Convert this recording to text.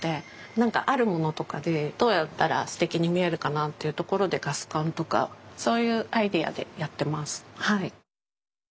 何かあるものとかでどうやったらすてきに見えるかなというところでガス管とかそういうアイデアでやってますはい。